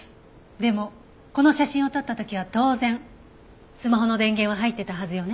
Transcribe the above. でもこの写真を撮った時は当然スマホの電源は入ってたはずよね？